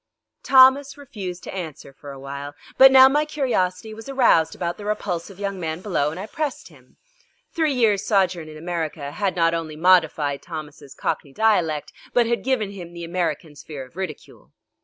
Thomas refused to answer for a while, but now my curiosity was aroused about the repulsive young man below and I pressed him. Three years' sojourn in America had not only modified Thomas' cockney dialect but had given him the American's fear of ridicule.